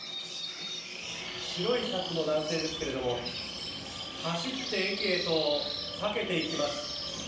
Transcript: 白いシャツの男性ですけれども走って駅へとかけていきます。